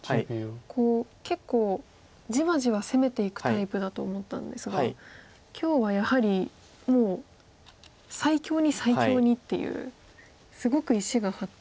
こう結構じわじわ攻めていくタイプだと思ったんですが今日はやはりもう最強に最強にっていうすごく石が張った攻めをしてますよね。